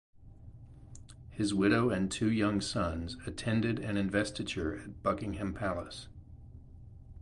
His widow and two young sons attended an investiture at Buckingham Palace.